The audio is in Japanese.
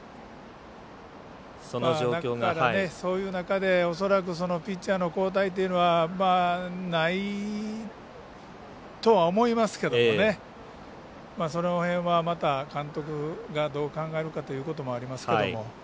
そういう中でピッチャーの交代っていうのはないとは思いますけどその辺は、また監督がどう考えるかというのもありますけど。